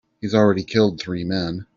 He's already killed three men.